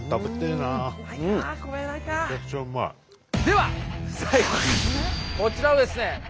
では最後こちらですね